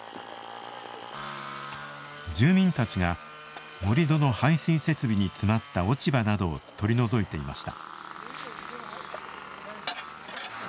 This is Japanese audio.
住民たちが盛土の排水設備に詰まった落ち葉などを取り除いていました。